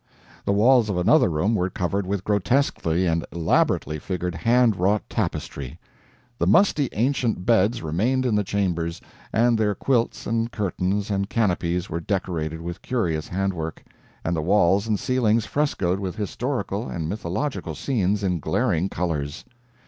The walls of another room were covered with grotesquely and elaborately figured hand wrought tapestry. The musty ancient beds remained in the chambers, and their quilts and curtains and canopies were decorated with curious handwork, and the walls and ceilings frescoed with historical and mythological scenes in glaring colors.